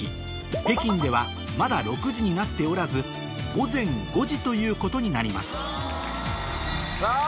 北京ではまだ６時になっておらず午前５時ということになりますさぁ。